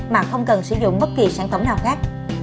mà không cần sử dụng bất kỳ sản phẩm nào khác